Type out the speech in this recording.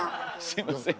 すいません。